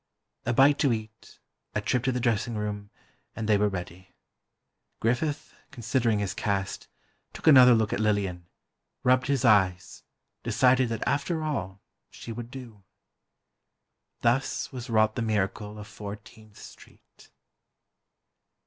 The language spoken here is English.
A bite to eat, a trip to the dressing room, and they were ready. Griffith, considering his cast, took another look at Lillian, rubbed his eyes, decided that after all she would do. Thus was wrought the miracle of Fourteenth Street.